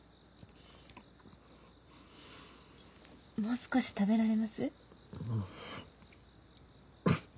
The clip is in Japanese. もう少し食べられます？